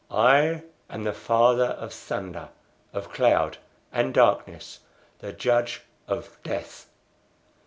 I am the Father of Thunder, of Cloud and Darkness; the Judge of Death!"